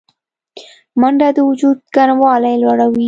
منډه د وجود ګرموالی لوړوي